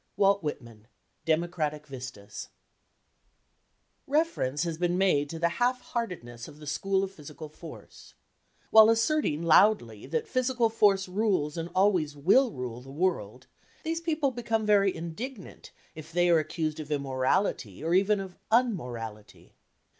—WALT WHITMAN, Democratic Vistas. Reference has been made to the half heartedness of the school of physical force. While asserting loudly that physical force rules and always will rule the world, these people become very indignant if they are accused of immorality, or even of unmorality.